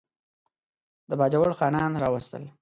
د باجوړ خانان راوستل.